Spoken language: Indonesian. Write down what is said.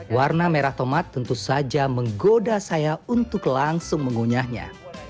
warna merah tomat tentu saja menggoda saya untuk langsung mengunyahnya